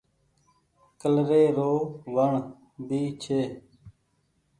ڪلري رو وڻ ڀي ڇي۔